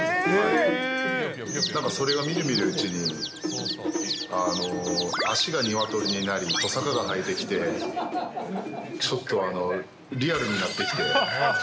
なんかそれがみるみるうちに、足がニワトリになり、とさかが生えてきて、ちょっと、リアルになってきて。